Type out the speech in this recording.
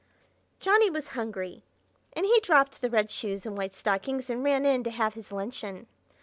Johnny was hungry, and he dropped the red shoes and white stockings and ran in to have his luncheon.